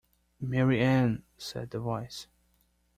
Mary Ann!’ said the voice.